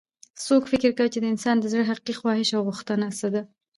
څوک فکر کوي چې د انسان د زړه حقیقي خواهش او غوښتنه څه ده